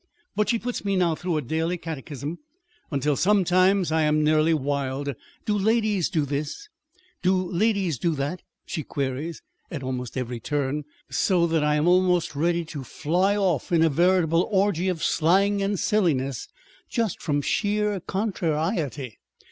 But she puts me now through a daily catechism until sometimes I am nearly wild. 'Do ladies do this?' 'Do ladies do that?' she queries at every turn, so that I am almost ready to fly off into a veritable orgy of slang and silliness, just from sheer contrariety.